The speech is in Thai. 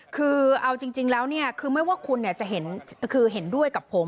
คือเอาจริงแล้วเนี่ยคือไม่ว่าคุณจะเห็นคือเห็นด้วยกับผม